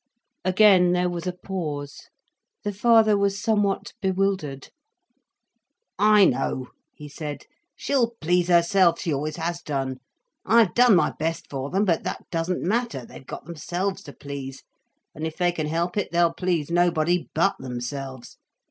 Again there was a pause. The father was somewhat bewildered. "I know," he said, "she'll please herself—she always has done. I've done my best for them, but that doesn't matter. They've got themselves to please, and if they can help it they'll please nobody but themselves.